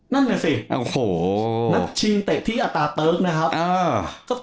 นั่นแหละสิโอ้โหนักชิงเตะที่อัตราเติ๊กนะครับ